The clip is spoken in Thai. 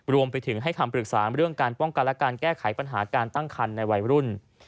รวมไปถึงให้คำปรึกษาเรื่องการป้องกันและการแก้ไขปัญหาการตั้งคันในวัยรุ่น